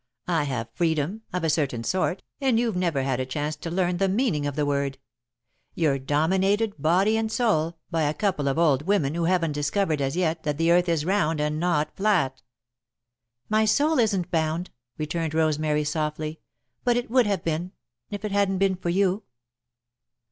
I have freedom, of a certain sort, and you've never had a chance to learn the meaning of the word. You're dominated, body and soul, by a couple of old women who haven't discovered, as yet, that the earth is round and not flat." [Sidenote: Freedom] "My soul isn't bound," returned Rosemary, softly, "but it would have been, if it hadn't been for you."